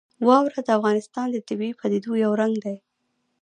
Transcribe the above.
واوره د افغانستان د طبیعي پدیدو یو رنګ دی.